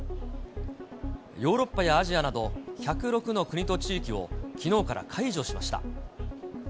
ヨーロッパやアジアなど、１０６の国と地域を、きのうから解除しました。